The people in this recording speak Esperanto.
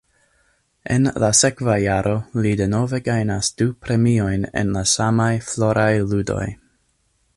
En la sekva jaro li denove gajnas du premiojn en la samaj Floraj Ludoj.